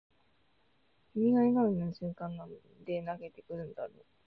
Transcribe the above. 君が笑顔になる瞬間なんで泣けてくるんだろう